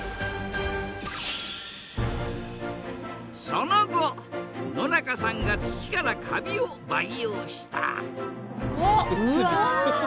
その後野中さんが土からカビを培養したあっ！